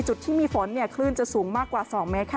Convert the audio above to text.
จุดที่มีฝนเนี่ยคลื่นจะสูงมากกว่า๒เมตรค่ะ